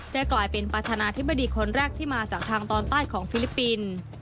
กลายเป็นประธานาธิบดีคนแรกที่มาจากทางตอนใต้ของฟิลิปปินส์